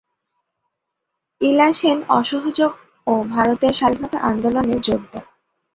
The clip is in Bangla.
ইলা সেন অসহযোগ ও ভারতের স্বাধীনতা আন্দোলনের যোগ দেন।